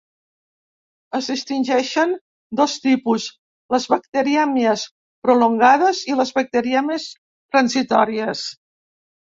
Es distingeixen dos tipus: les bacterièmies prolongades i les bacterièmies transitòries.